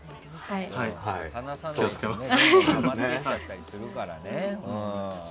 気をつけます。